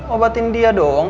obatin dia doang